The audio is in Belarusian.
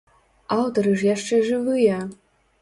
Аўтары ж яшчэ жывыя!